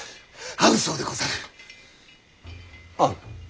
会う？